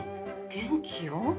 元気よ。